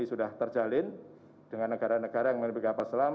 dan kemudian kita menjelaskan kembali ke negara negara yang memiliki kapal selam